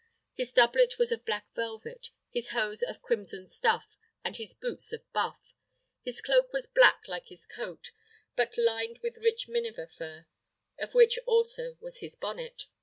His doublet was of black velvet, his hose of crimson stuff, and his boots of buff. His cloak was black like his coat, but lined with rich miniver fur, of which also was his bonnet.